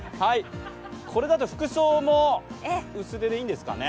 これだと服装も薄手でいいんですかね？